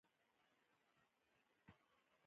زه هره ورځ د موټر غږونه اورم.